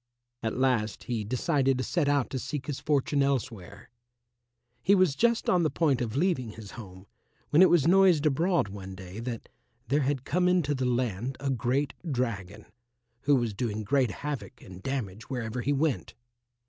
At last he decided to set out to seek his fortune elsewhere. He was just on the point of leaving his home when it was noised abroad one day that there had come into the land a great dragon, who was doing great havoc and damage wherever he went.